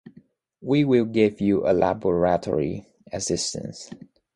We will give you a laboratory assistant.